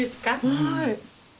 はい。